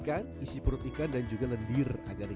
kalau kesini pertanyaannya bapakisedwala